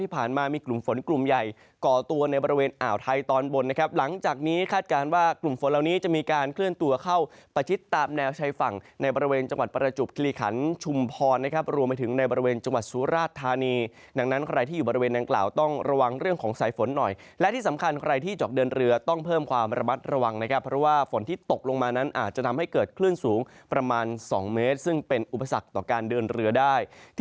ประชิดตามแนวใช้ฝั่งในบริเวณจังหวัดประจุบคลีขันศ์ชุมพรนะครับรวมไปถึงในบริเวณจังหวัดสุราชธานีดังนั้นใครที่อยู่บริเวณนางกล่าวต้องระวังเรื่องของสายฝนหน่อยและที่สำคัญใครที่จอกเดินเรือต้องเพิ่มความระมัดระวังนะครับเพราะว่าฝนที่ตกลงมานั้นอาจจะทำให้เกิดเคลื่อนสูงประมาณ๒เมต